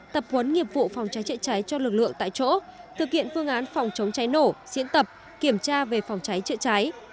tập huấn nghiệp vụ phòng cháy chữa cháy cho lực lượng tại chỗ thực hiện phương án phòng chống cháy nổ diễn tập kiểm tra về phòng cháy chữa cháy